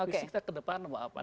visi kita ke depan apa apa